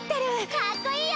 かっこいいよ！